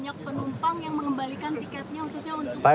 banyak penumpang yang mengembalikan tiketnya